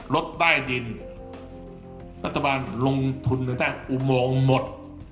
รถใต้ดินรัฐบาลลงทุนได้อุโมงหมด